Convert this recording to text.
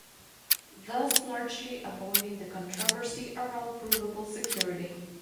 Thus largely avoiding the controversy around provable security.